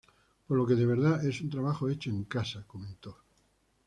Por lo que de verdad es un trabajo hecho en casa", comentó.